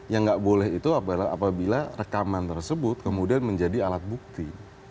yang nggak boleh itu apabila rekaman tersebut kemudian menjadi alat bukti